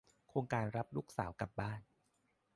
โครงการรับลูกสาวกลับบ้าน